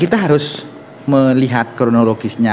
kita harus melihat kronologisnya